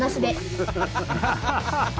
ハハハハ！